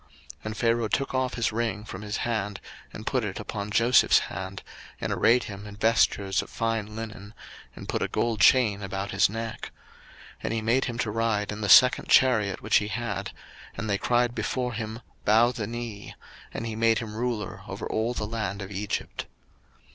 01:041:042 And Pharaoh took off his ring from his hand, and put it upon Joseph's hand, and arrayed him in vestures of fine linen, and put a gold chain about his neck; 01:041:043 And he made him to ride in the second chariot which he had; and they cried before him, Bow the knee: and he made him ruler over all the land of Egypt.